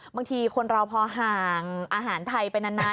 บางทีคนเราพอห่างอาหารไทยไปนาน